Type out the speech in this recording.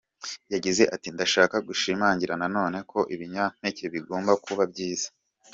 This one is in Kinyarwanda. Yagize ati: “Ndashaka gushimangira na none ko ibinyampeke bigomba kuba byiza.